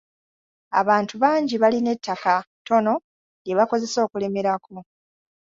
Abantu bangi balina ettaka ttono lye bakozesa okulimirako.